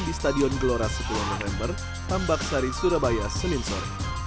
di stadion gelora sepuluh november tambak sari surabaya senin sore